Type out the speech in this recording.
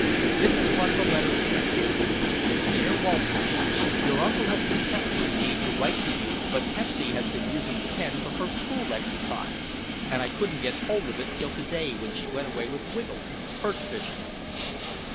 This is what the letter said: Dear Walter: Your uncle has been pestering me to write to you but Pepsy has been using the pen for her school exercise and I couldn't get hold of it till to day when she went away with Wiggle, perch fishing.